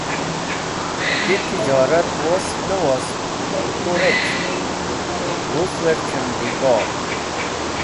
Ti tijorat wost ne wost, tu rec̃h wuz wer’c̃hem bikor.